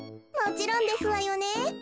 もちろんですわよね。